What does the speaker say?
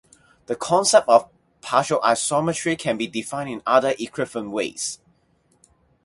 The concept of partial isometry can be defined in other equivalent ways.